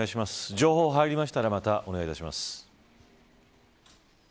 情報入りましたらまたお願いします。